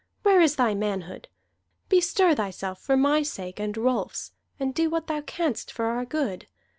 Where is thy manhood? Bestir thyself for my sake and Rolfs, and do what thou canst for our good!